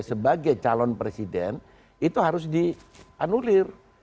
sebagai calon presiden itu harus di anulir